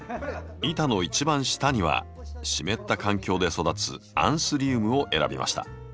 板の一番下には湿った環境で育つアンスリウムを選びました。